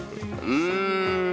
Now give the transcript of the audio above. うん。